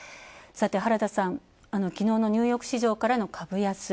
さて原田さん、きのうのニューヨーク市場株安。